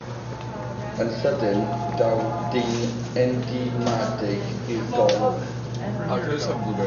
Yn sydyn, daw dyn enigmatig i'r golwg.